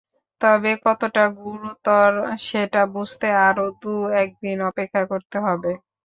তবে কতটা গুরুতর, সেটা বুঝতে আরও দু-এক দিন অপেক্ষা করতে হবে।